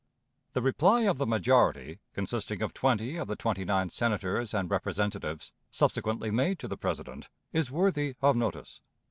The reply of the majority, consisting of twenty of the twenty nine Senators and Representatives, subsequently made to the President, is worthy of notice.